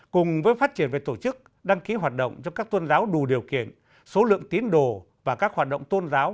cùng với phát triển về tổ chức đăng ký hoạt động cho các tôn giáo đủ điều kiện số lượng tín đồ và các hoạt động tôn giáo